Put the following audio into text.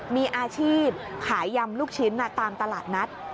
มีอาชีพขายยำลูกชิ้นตามตลาดนัด